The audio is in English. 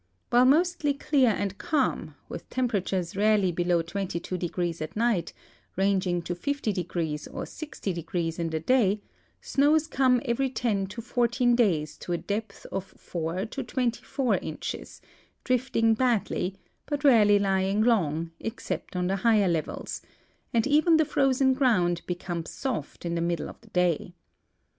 While mostly clear and calm, with temperatures rarely below 22° at night, ranging to 50° or 60° in the day, snows come every ten to fourteen days to a depth of 4 to 24 inches, drifting badly, but rarely lying long, except on the higher levels, and even the frozen ground becomes soft in the middle of the day.